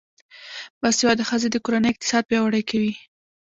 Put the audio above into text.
باسواده ښځې د کورنۍ اقتصاد پیاوړی کوي.